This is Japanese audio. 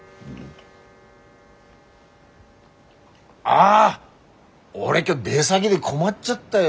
あっ俺今日出先で困っちゃったよ。